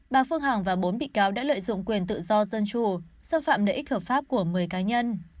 bà phương hằng và bốn bị cáo đã lợi dụng quyền tự do dân chủ xâm phạm lợi ích hợp pháp của một mươi cá nhân